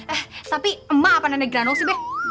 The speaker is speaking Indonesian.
eh tapi emak apaan negerandung sih weh